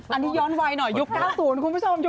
อันนี้ย้อนไวหน่อยยุบ๙๐คุณผู้ชมยุบ๙๐